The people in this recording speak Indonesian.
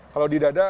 kalau di dada